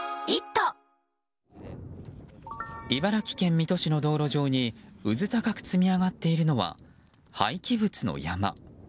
茨城県水戸市の道路上にうず高く積み上がっているのは廃棄物の山。